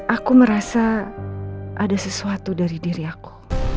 aku merasa ada sesuatu dari diri aku